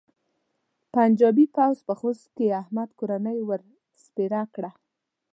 پنجاپي پوځ په خوست کې احمد کورنۍ ور سپېره کړه.